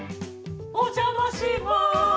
お邪魔します